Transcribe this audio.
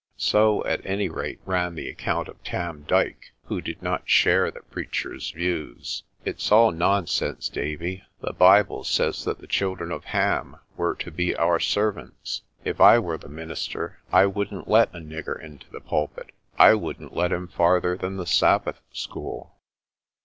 So at any rate ran the account of Tarn Dyke, who did not share the preacher's views. "It's all nonsense, Davie. The Bible says that the children of Ham were to be our servants. If I were the minister I wouldn't let a nigger into the pulpit. I wouldn't let him farther than the Sabbath school."